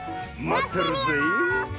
まってるよ！